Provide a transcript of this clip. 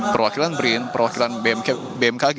perwakilan brin perwakilan bmkg